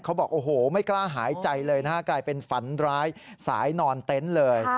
เขาบอกโอ้โหไม่กล้าหายใจเลยนะฮะกลายเป็นฝันร้ายสายนอนเต็นต์เลย